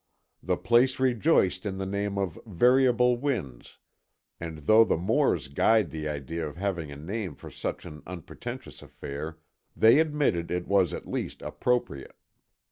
The place rejoiced in the name of "Variable Winds," and though the Moores guyed the idea of having a name for such an unpretentious affair, they admitted it was at least appropriate.